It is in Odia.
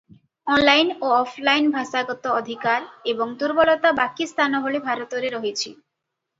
ଅନଲାଇନ ଓ ଅଫଲାଇନ ଭାଷାଗତ ଅଧିକାର ଏବଂ ଦୁର୍ବଳତା ବାକି ସ୍ଥାନ ଭଳି ଭାରତରେ ରହିଛି ।